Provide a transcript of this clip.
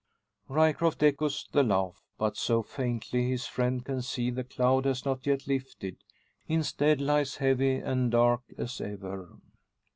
Ryecroft echoes the laugh; but so faintly, his friend can see the cloud has not yet lifted; instead, lies heavy and dark as ever.